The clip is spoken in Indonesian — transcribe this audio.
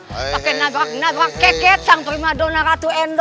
pakai nabrak nabrak keket